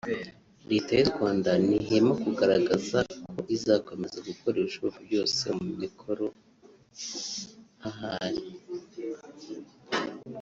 Leta y’u Rwanda ntihwema kugaragaza ko izakomeza gukora ibishoboka byose mu mikoro ahari